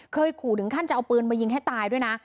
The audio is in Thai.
เคยขู่ถึงขั้นจะเอาปืนมายิงให้ตายด้วยนะ